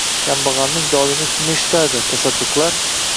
Kambag‘alning dodini kim eshitardi, tasadduqlar!